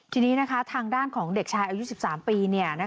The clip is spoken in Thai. ทีนี้ทางด้านของเด็กชายอายุ๑๓ปี